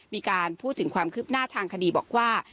มีการพูดถึงความคืบหน้าทางคดีบอกว่า